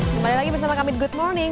kembali lagi bersama kami di good morning